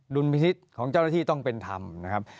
ลพินิษฐ์ของเจ้าหน้าที่ต้องเป็นธรรมนะครับ